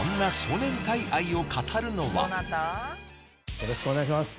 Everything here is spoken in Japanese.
よろしくお願いします